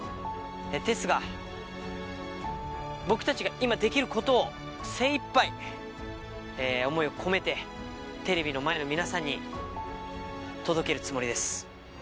ですが僕たちが今できることを精いっぱい思いを込めてテレビの前の皆さんに届けるつもりです。